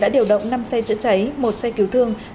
đã điều động năm xe chữa cháy một xe cứu thương